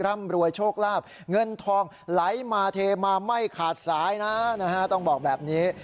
ร่ำรวยโชคลาบเงินทองไหลมาเทมาไม่ขาดสายนะต้องบอกแบบนี้